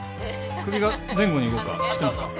首が前後に動くか知ってますか？